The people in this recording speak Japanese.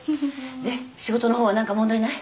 で仕事の方は何か問題ない？